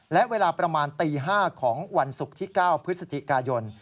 และเวลาประมาณตี๕ของวันศุกร์ที่๙พฤศจิกายน